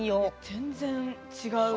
全然違う。